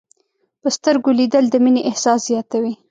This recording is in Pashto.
په سترګو لیدل د مینې احساس زیاتوي